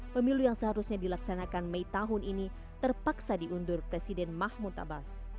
pemilu yang seharusnya dilaksanakan mei tahun ini terpaksa diundur presiden mahmud abbas